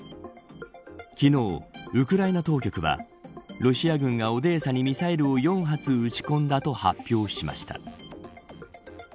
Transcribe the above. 昨日、ウクライナ当局はロシア軍がオデーサにミサイルを４発撃ち込んだと発表しました。